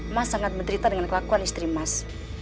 mas sangat menderita dengan kelakuan istri mas